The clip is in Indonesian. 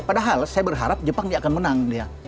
ya padahal saya berharap jepang dia akan menang dia